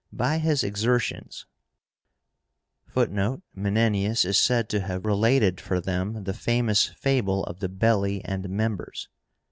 By his exertions (Footnote: Menenius is said to have related for them the famous fable of the belly and members.)